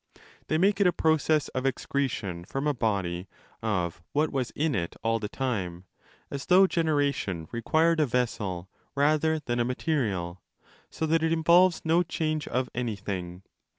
They make it a process of excretion from a body of what was in it all the time—as though generation required a vessel rather than 5a material—so that it involves no change of anything.